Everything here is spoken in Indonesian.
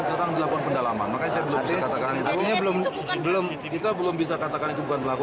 setelah terang dilakukan pendalaman makanya saya belum bisa katakan itu bukan pelaku